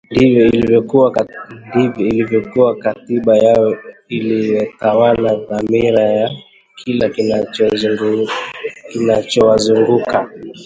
Ndiyo iliyokuwa katiba yao, iliyotawala dhamira ya kila kilichowazunguka